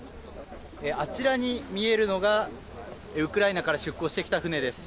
あちらに見えるのがウクライナから出港してきた船です。